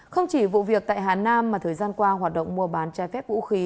không chỉ vụ việc tại hà nam mà thời gian qua hoạt động mua bán trái phép vũ khí